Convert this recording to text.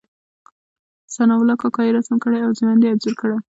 ثناء الله کاکا يې رسم کړی او ژوند یې انځور کړی.